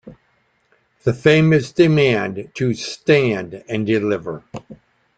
The famous demand to Stand and deliver!